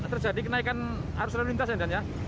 terjadi kenaikan arus lalu lintas ya dan ya